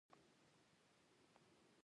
دا به ښيي چې د دوی پیغام له دین څخه راوتلی دی